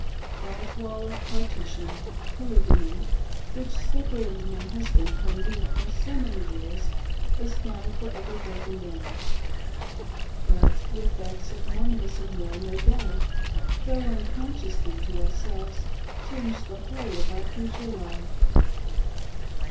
That wall of partition — Polygamy — which separated my husband from me for so many years, is now for ever broken down. But the effects of Mor monism will, no doubt, though unconsciously to ourselves, tinge the whole of our future life.